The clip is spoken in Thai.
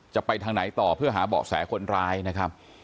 จะไปทางไหนต่อเพื่อหาเบาะแสคนร้ายนะครับ